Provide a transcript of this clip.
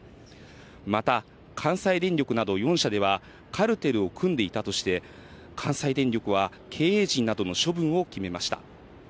また、関西電力など４社ではカルテルを組んでいたとして、関西電力は経営陣などの処分を決めました。